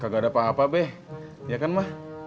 gak ada apa apa be iya kan ma